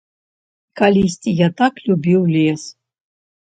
Калісьці я так любіў лес.